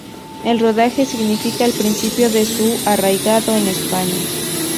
El rodaje significa el principio de su arraigo en España.